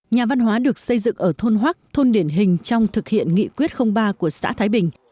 nhà văn hóa được xây dựng ở thôn hoác thôn điển hình trong thực hiện nghị quyết ba của xã thái bình